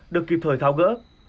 được kịp thời tháo gỡ